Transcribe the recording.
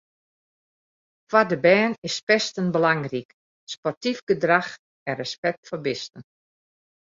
Foar de bern is pesten belangryk, sportyf gedrach en respekt foar bisten.